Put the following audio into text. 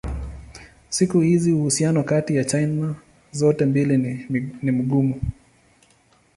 Siku hizi uhusiano kati ya China zote mbili ni mgumu.